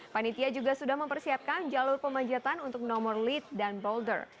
panitia juga sudah mempersiapkan jalur pemanjatan untuk nomor lead dan boulder